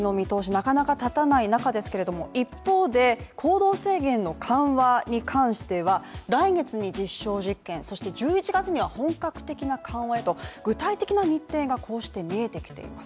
なかなか立たない中ですけれども一方で行動制限の緩和に関しては来月に実証実験そして１１月には本格的な緩和と具体的な日程がこうして見えてきています